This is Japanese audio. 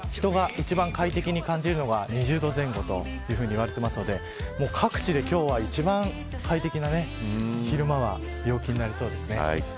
だいたい人が１番快適に感じるのが２０度前後と言われているので各地で今日は一番快適な昼間は陽気になりそうです。